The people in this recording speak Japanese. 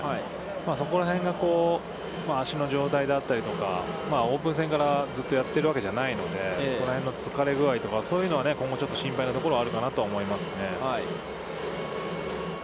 そこら辺が足の状態であったりとか、オープン戦から、ずっとやってるわけじゃないので、その辺の疲れぐあいとか、今後ちょっと心配なところはあるかなと思いますね。